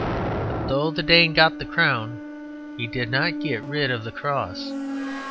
But though the Dane got the crown, he did not get rid of the cross.